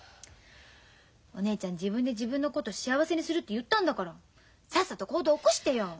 お姉ちゃん自分で自分のこと幸せにするって言ったんだからさっさと行動起こしてよ。